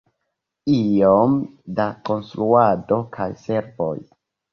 Iom da konstruado kaj servoj.